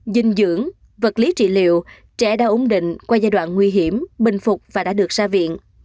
dinh dưỡng vật lý trị liệu trẻ đã ổn định qua giai đoạn nguy hiểm bình phục và đã được ra viện